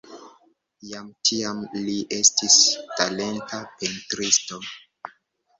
Jam tiam li estis talenta pentristo.